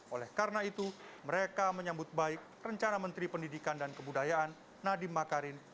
oleh karena itu mereka menyambut baik rencana menteri pendidikan dan kebudayaan nadiem makarim